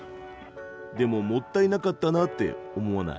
でももったいなかったなって思わない？